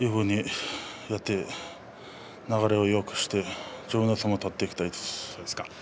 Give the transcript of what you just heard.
流れをよくして自分の相撲を取っていきたいです。